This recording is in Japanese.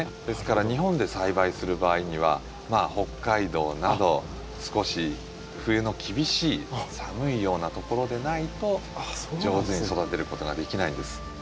ですから日本で栽培する場合には北海道など少し冬の厳しい寒いようなところでないと上手に育てることができないんです。